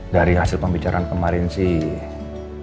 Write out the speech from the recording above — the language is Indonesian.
dari hasil pembicaraan kemarin sih